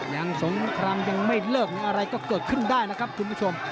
ยังสงครามยังไม่เลิกอะไรก็เกิดขึ้นได้นะครับคุณผู้ชม